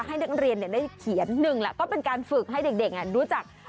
ให้นักเรียนได้เขียนหนึ่งแล้วก็เป็นการฝึกให้เด็กรู้จัก